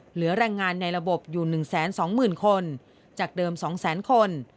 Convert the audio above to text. เหลือแรงงานในระบบอยู่๑๒๐๐๐๐คนจากเดิม๒๐๐๐๐๐คน